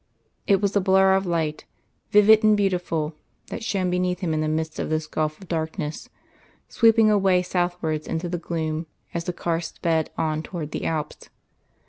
It was a blur of light, vivid and beautiful, that shone beneath him in the midst of this gulf of darkness, sweeping away southwards into the gloom as the car sped on towards the Alps.